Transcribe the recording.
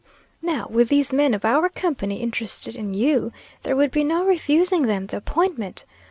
Now with these men of our company interested in you, there would be no refusing them the appointment.